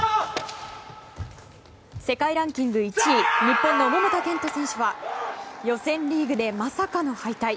世界ランキング１位日本の桃田賢斗選手は予選リーグでまさかの敗退。